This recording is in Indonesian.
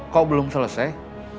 kok belum selesai